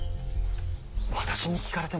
私に聞かれても。